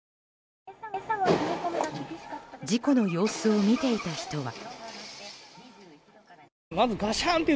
事故の様子を見ていた人は。